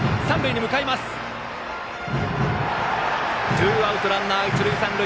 ツーアウトランナー、一塁三塁。